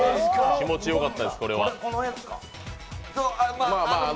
気持ちよかったです、これは。